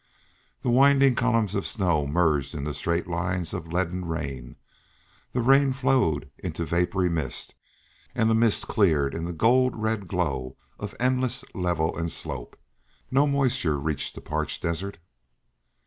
The winding columns of snow merged into straight lines of leaden rain; the rain flowed into vapory mist, and the mist cleared in the gold red glare of endless level and slope. No moisture reached the parched desert.